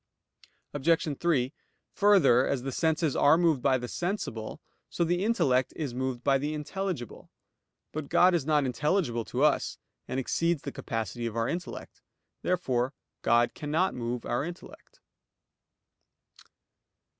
Obj. 3: Further, as the senses are moved by the sensible, so the intellect is moved by the intelligible. But God is not intelligible to us, and exceeds the capacity of our intellect. Therefore God cannot move our intellect.